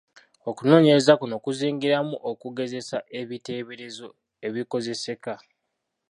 Okunoonyereza kuno kuzingiramu okugezesa ebiteeberezo ebikozeseka.